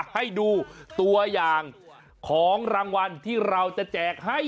ให้ดูตัวอย่างของรางวัลที่เราจะแจกให้